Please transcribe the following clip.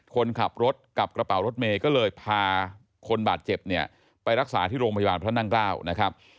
คนขับรถกับกระเป๋ารถเมย์ก็เลยพาคนบาดเจ็บเนี่ยไปรักษาที่โรงพยาบาลพระนั่งเกล้านะครับ